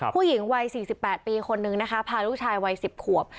ผู้หญิงวัย๔๘ปีคนนึงนะคะพาลูกชายวัย๑๐ขวบ